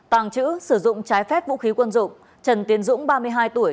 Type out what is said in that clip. tàng trữ sử dụng trái phép vũ khí quân dụng trần tiến dũng ba mươi hai tuổi